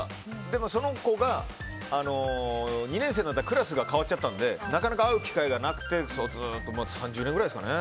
でも、その子が２年生の時クラスが変わっちゃったのでなかなか会う機会がなくてずっと３０年くらいですかね。